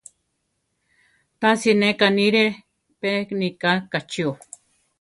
Tasi ne ká niire, pe nika kachío.